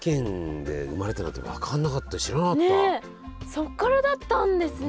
そっからだったんですね！